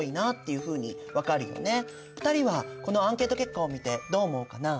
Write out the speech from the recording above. ２人はこのアンケート結果を見てどう思うかな？